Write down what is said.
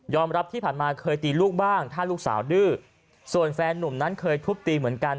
รับที่ผ่านมาเคยตีลูกบ้างถ้าลูกสาวดื้อส่วนแฟนนุ่มนั้นเคยทุบตีเหมือนกัน